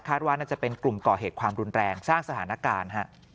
ว่าน่าจะเป็นกลุ่มก่อเหตุความรุนแรงสร้างสถานการณ์